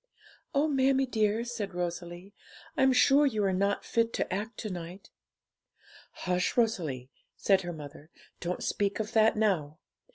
'Oh, mammie dear,' said Rosalie, 'I'm sure you are not fit to act to night.' 'Hush, Rosalie!' said her mother; 'don't speak of that now.